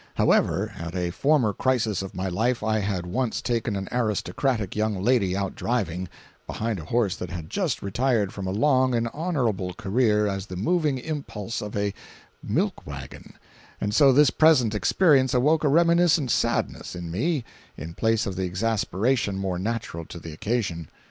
However, at a former crisis of my life I had once taken an aristocratic young lady out driving, behind a horse that had just retired from a long and honorable career as the moving impulse of a milk wagon, and so this present experience awoke a reminiscent sadness in me in place of the exasperation more natural to the occasion.